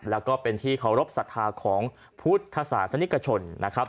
แล้วก็เป็นที่เคารพสัทธาของพุทธศาสนิกชนนะครับ